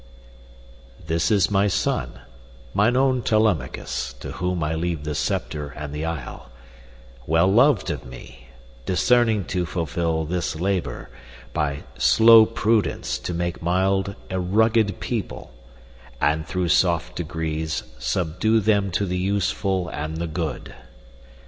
This is my son, mine own Telemachus, To whom I leave the sceptre and the isle, Well loved of me, discerning to fulfil This labour, by slow prudence to make mild A rugged people, and thro' soft degrees Subdue them to the useful and the good.